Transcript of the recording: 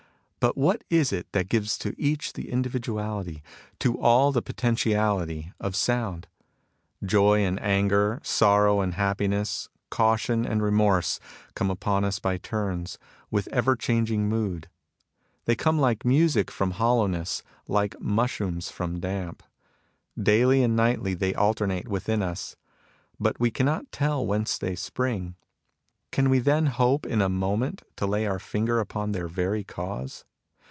But what is it that gives to each the individuality, to all the potentiality, of sound ?... Joy and anger, sorrow and happiness, caution and remorse, come upon us by turns, with ever changing mood. They come like music from hollowness, like mushrooms from damp. Daily and nightly they alternate within us, but we cannot tell whence they spring. Can we then hope in a moment to lay our finger upon their very cause